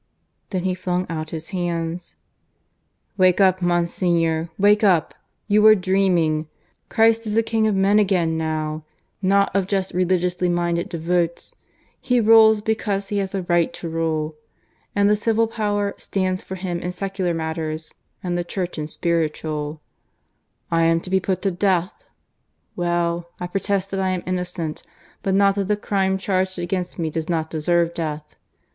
Then he flung out his hands. "Wake up, Monsignor! Wake up! You are dreaming. Christ is the King of men again, now not of just religiously minded devots. He rules, because He has a right to rule. ... And the civil power stands for Him in secular matters, and the Church in spiritual. I am to be put to death! Well, I protest that I am innocent, but not that the crime charged against me does not deserve death.